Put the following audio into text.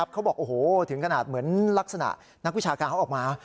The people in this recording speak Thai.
เขาบอกโอ้โหถึงขนาดเหมือนลักษณะนักวิชาการเขาออกมา